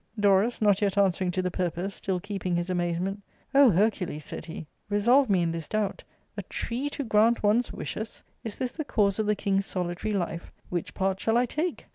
Dorus not yet answering to the purpose, still keeping his amazement, "O Hercules !" said he, "resolve me in this doubt A tree to grant one's wishes ! Is this the cause of the king's solitary life ? Which part shall I take